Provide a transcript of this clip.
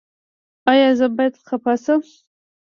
ایا زه باید خفه شم؟